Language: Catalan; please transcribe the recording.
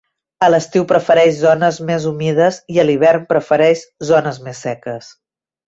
A l'estiu prefereix zones més humides i a l'hivern prefereix zones més seques.